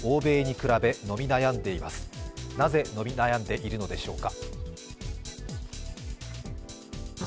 なぜ伸び悩んでいるのでしょうか。